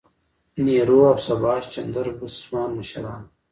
نهرو او سبهاش چندر بوس ځوان مشران وو.